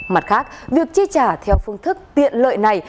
mặt khác việc chi trả theo phương thức tiện lợi này